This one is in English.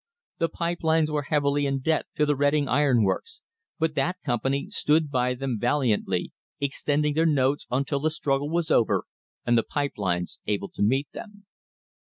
The pipe lines were heavily in debt to the Reading Iron Works, but that company stood by them val iantly, extending their notes until the struggle was over and the pipe lines able to meet them.